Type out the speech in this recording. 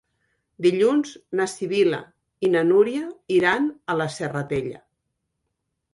Dilluns na Sibil·la i na Núria iran a la Serratella.